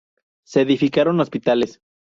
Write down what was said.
Se edificaron hospitales.